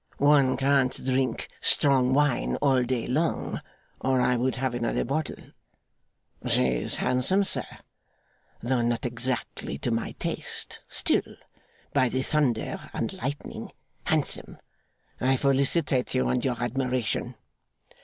One can't drink strong wine all day long, or I would have another bottle. She's handsome, sir. Though not exactly to my taste, still, by the Thunder and the Lightning! handsome. I felicitate you on your admiration.